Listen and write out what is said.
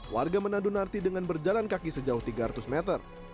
warga menandu narti dengan berjalan kaki sejauh tiga ratus meter